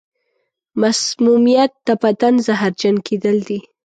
مسمومیت د بدن زهرجن کېدل دي.